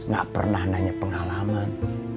gak pernah nanya pengalaman